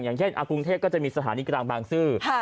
อย่างเช่นกรุงเทพก็จะมีสถานีกลางบางซื่อ